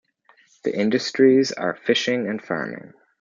The industries are fishing and farming.